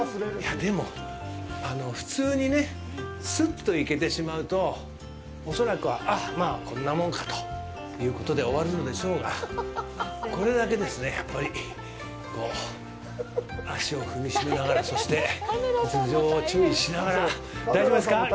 でも普通に、すっと行けてしまうと恐らくは、あ、まあ、こんなもんかということで終わるのでしょうが、これだけですね、やっぱり足を踏み締めながらそして、頭上を注意しながら大丈夫ですか？